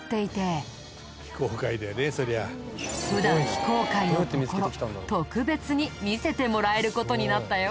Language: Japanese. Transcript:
普段非公開のところ特別に見せてもらえる事になったよ。